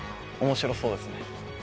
面白そうですね